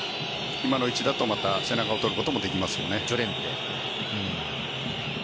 今の位置だと背中を取ることもできますよね。